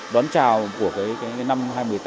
đón chào của năm hai nghìn một mươi tám